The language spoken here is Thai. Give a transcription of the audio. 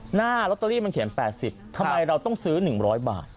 หน้าลอตเตอรี่มันเขียน๘๐ทำไมเราต้องซื้อ๑๐๐บาท